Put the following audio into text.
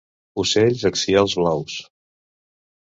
Ocels axials blaus.